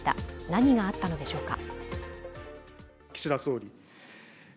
何があったのでしょうか。